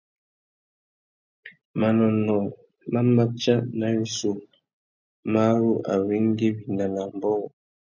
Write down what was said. Manônōh má matia nà wissú mà ru awéngüéwina nà ambōh.